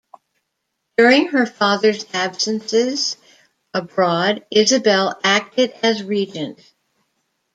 During her father's absences abroad, Isabel acted as regent.